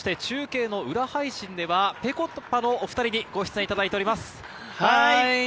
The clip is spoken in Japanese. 中継の裏配信ではぺこぱのお２人にご出演いただきます。